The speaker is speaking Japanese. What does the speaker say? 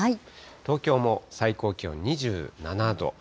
東京も最高気温２７度。